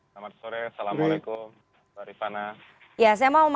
selamat sore assalamualaikum barisana